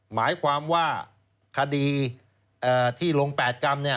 หมายความว่าคดีที่ลง๘กรรม